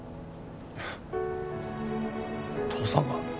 父さんが？